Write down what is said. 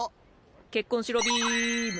結婚しろビーム。